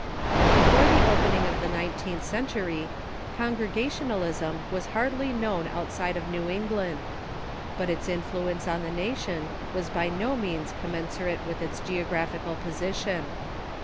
] Before the opening of the nineteenth century, Congrega tionalism was hardly known outside of New England. But its influence on the nation was by no means commensurate with its geographical position.